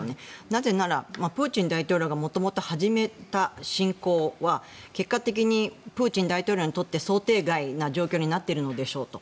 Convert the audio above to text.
なぜなら、プーチン大統領が元々始めた侵攻は結果的にプーチン大統領にとって想定外な状況になっているのでしょうと。